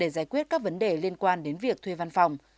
giải quyết các vấn đề liên quan đến việc thuê văn phòng